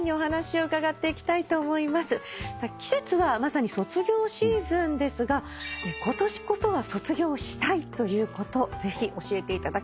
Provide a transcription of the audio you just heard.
季節はまさに卒業シーズンですが今年こそは卒業したいということぜひ教えていただきたいです。